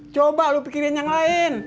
coba loh pikirin yang lain